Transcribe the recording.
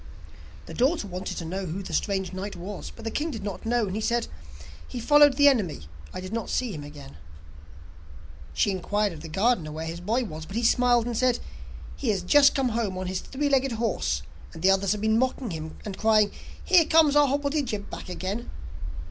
The daughter wanted to hear who the strange knight was, but the king did not know, and said: 'He followed the enemy, and I did not see him again.' She inquired of the gardener where his boy was, but he smiled, and said: 'He has just come home on his three legged horse, and the others have been mocking him, and crying: "Here comes our hobblety jib back again!"